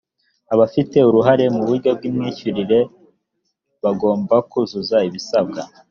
abafite uruhare mu buryo bw’imyishyuranire bagomba kuzuza ibisabwa